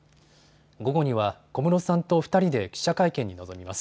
午後には小室さんと２人で記者会見に臨みます。